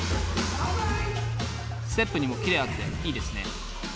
ステップにもキレがあっていいですね。